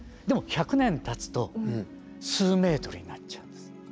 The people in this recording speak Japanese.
でも１００年たつと数メートルになっちゃうんです。